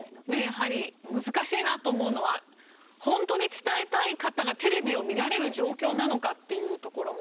やはり難しいなと思うのは本当に伝えたい方がテレビを見られる状況なのかっていうところもあって。